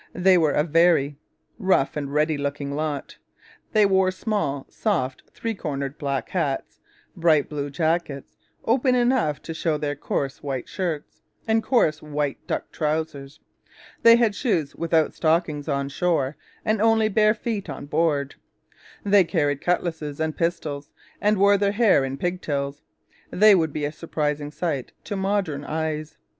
They were a very rough and ready looking lot. They wore small, soft, three cornered black hats, bright blue jackets, open enough to show their coarse white shirts, and coarse white duck trousers. They had shoes without stockings on shore, and only bare feet on board. They carried cutlasses and pistols, and wore their hair in pigtails. They would be a surprising sight to modern eyes.